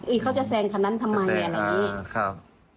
เอ้ยเขาจะแซงขนนั้นทำไมอะไรอย่างนี้